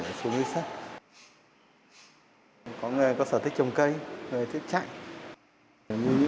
bố rao này vẫn khỏe chứ